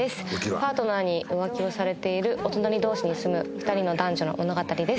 パートナーに浮気をされているお隣同士に住む２人の男女の物語です。